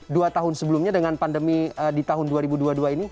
dua tahun sebelumnya dengan pandemi di tahun dua ribu dua puluh dua ini